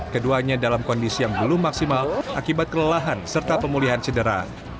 keduanya dalam kondisi yang belum maksimal akibat kelelahan serta pemulihan cedera